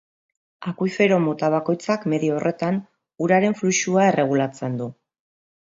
Akuifero mota bakoitzak medio horretan uraren fluxua erregulatzen du.